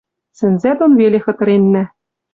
Сӹнзӓ дон веле хытыреннӓ...